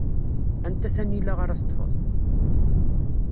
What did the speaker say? Anta tanila ara teṭṭfeḍ?